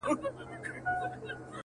کاڼي په لمن کي لېوني عجیبه و ویل,